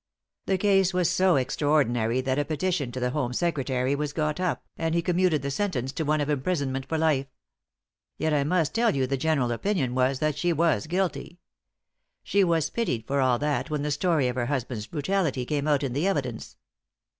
"The case was so extraordinary that a petition to the Home Secretary was got up, and he commuted the sentence to one of imprisonment for life. Yet I must tell you the general opinion was that she was guilty. She was pitied for all that when the story of her husband's brutality came out in the evidence."